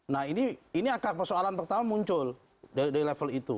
nah ini akar persoalan pertama muncul dari level itu